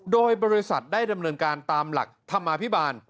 โดยบริษัทได้ดำเนินการตามหลักธรรมาภิบาล